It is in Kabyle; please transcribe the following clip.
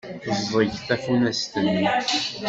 Teẓẓeg tafunast-nni.